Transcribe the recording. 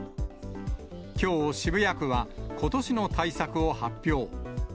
きょう、渋谷区は、ことしの対策を発表。